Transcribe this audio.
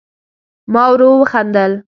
ما ورو وخندل